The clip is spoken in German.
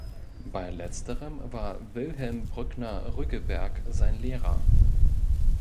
Bei letzterem war Wilhelm Brückner-Rüggeberg sein Lehrer.